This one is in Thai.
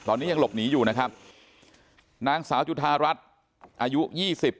ตอนนี้ยังหลบหนีอยู่นะครับนางสาวจุธารัฐอายุยี่สิบ